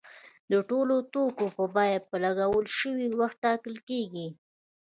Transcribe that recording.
د ټولو توکو بیه په لګول شوي وخت ټاکل کیږي.